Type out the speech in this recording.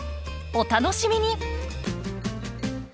お楽しみに！